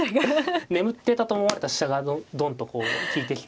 眠っていたと思われた飛車がドンとこう利いてきて。